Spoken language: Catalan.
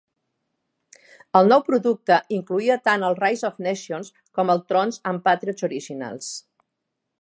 El nou producte incloïa tant el Rise of Nations com el Trons and Patriots originals.